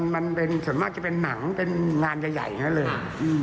มันเป็นส่วนมากจะเป็นหนังเป็นงานใหญ่อย่างนั้นเลย